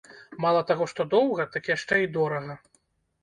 Мала таго, што доўга, дык яшчэ і дорага.